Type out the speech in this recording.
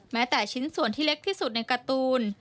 แม้แต่ชิ้นส่วนที่เล็กที่สุดในการ์ตูน